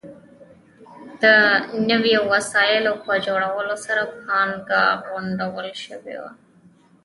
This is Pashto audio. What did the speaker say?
د نویو وسایلو په جوړولو سره پانګه غونډول شوې وه.